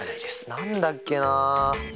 何だっけな？